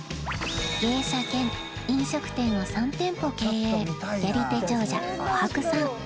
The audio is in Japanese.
芸者兼飲食店を３店舗経営やり手長者こはくさん